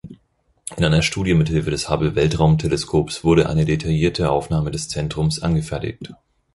In einer Studie mithilfe des Hubble-Weltraumteleskops wurde eine detaillierte Aufnahme des Zentrums angefertigt.